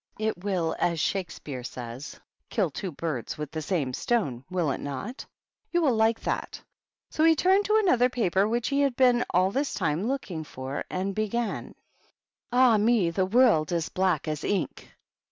It will, as Shakespeare says, * kill two birds with the same stone,' will it not? You will like that." So he turned to another paper which he had been all this time looking for, and began: THE BISHOPS. "Ah me! the world is black as ink!